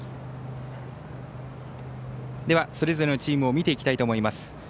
それぞれのチームを見ていきたいと思います。